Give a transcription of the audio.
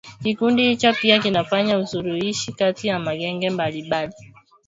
Kikundi hicho pia kinafanya usuluishi kati ya magenge mbalimbali